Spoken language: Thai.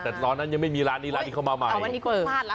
แต่ตอนนั้นยังไม่มีร้านนี้ร้านนี้เข้ามาใหม่ตอนนี้ผมมาสละ